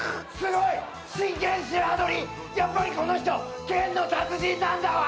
やっぱりこの人剣の達人なんだわ！